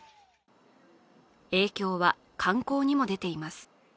影響は観光にも出ています。